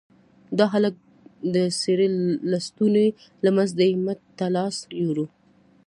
د هلك د څيرې لستوڼي له منځه يې مټ ته لاس يووړ.